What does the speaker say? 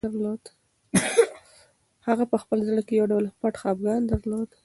هغه په خپل زړه کې یو ډول پټ خپګان درلود.